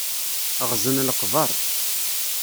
Ɣzen leqber.